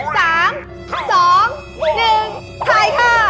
๓๒๑ถ่ายค่ะ